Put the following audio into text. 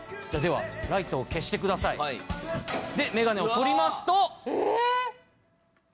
ではライトを消してください。でメガネを取りますと。